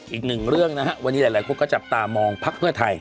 อีกหนึ่งเรื่องนะฮะวันนี้หลายคนก็จับตามองพักเพื่อไทย